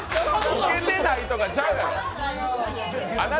ウケてないとかちゃうがな。